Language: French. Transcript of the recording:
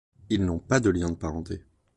Ils n'ont pas de liens de parenté.